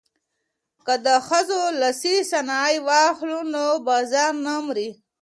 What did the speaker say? که د ښځو لاسي صنایع واخلو نو بازار نه مري.